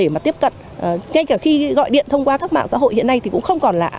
để mà tiếp cận ngay cả khi gọi điện thông qua các mạng xã hội hiện nay thì cũng không còn là